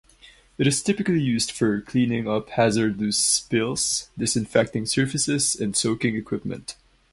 It is typically used for cleaning up hazardous spills, disinfecting surfaces and soaking equipment.